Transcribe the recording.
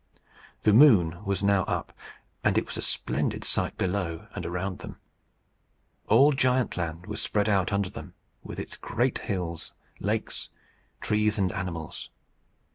The moon was now up, and it was a splendid sight below and around them. All Giantland was spread out under them, with its great hills, lakes, trees, and animals.